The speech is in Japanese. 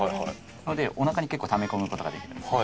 なのでおなかに結構ため込む事ができるんですね。